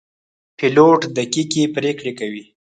پیلوټ دقیقې پرېکړې کوي.